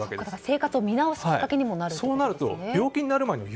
生活を見直すきっかけになるんですね。